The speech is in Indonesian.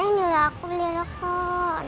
dan juga aku beli rokok